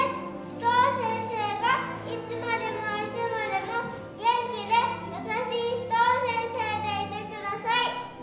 須藤先生がいつまでもいつまでも元気で優しい須藤先生でいてください。